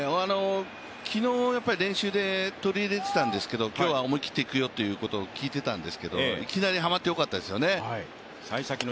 昨日、練習で取り入れていたんですけど今日は思い切っていくよということを聞いていたんですけど、いきなりはまってよかったですよね。